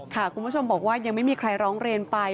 คุณผู้ชมบอกว่ายังไม่มีใครร้องเรียนไป